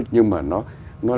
nhưng mà nó